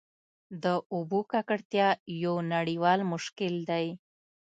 د اوبو ککړتیا یو نړیوال مشکل دی.